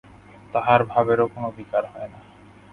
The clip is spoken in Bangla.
তাহার ভাবেরও কোনো বিকার হয় না।